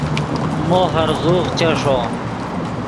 مو ہرزوغ چیݰو